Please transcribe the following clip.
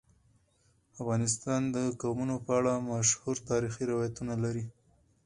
افغانستان د قومونه په اړه مشهور تاریخی روایتونه لري.